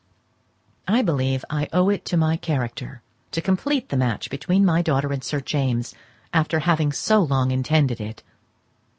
I believe I owe it to my character to complete the match between my daughter and Sir James after having so long intended it.